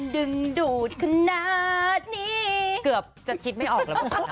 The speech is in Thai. เกือบจะคิดไม่ออก